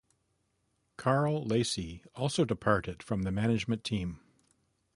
Karl Lacey also departed from the management team.